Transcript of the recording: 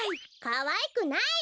かわいくない！